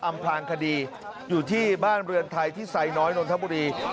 พลางคดีอยู่ที่บ้านเรือนไทยที่ไซน้อยนนทบุรี